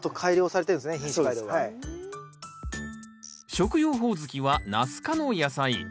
食用ホオズキはナス科の野菜。